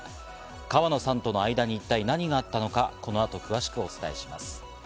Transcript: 川野さんとの間に一体何があったのか、この後詳しくお伝えします。